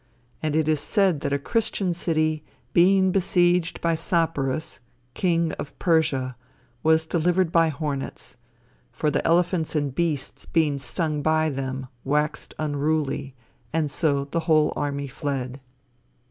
And it is said that a christian city, being besieged by Sapores, king of Persia, was delivered by hornets; for the elephants and beasts being stung by them, waxed unruly, and so the whole army fled."